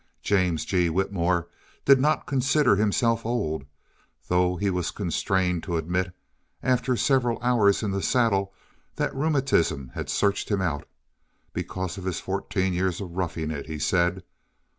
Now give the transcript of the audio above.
James G. Whitmore did not consider himself old, though he was constrained to admit, after several hours in the saddle, that rheumatism had searched him out because of his fourteen years of roughing it, he said.